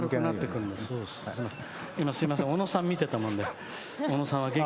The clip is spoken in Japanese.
今、すいません小野さんを見ていたもんで。